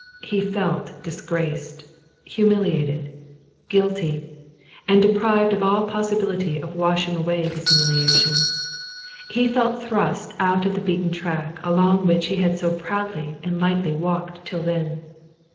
He felt disgraced, humiliated, guilty, and deprived of all possibility of washing away his humiliation. He felt thrust out of the beaten track along which he had so proudly and lightly walked till then.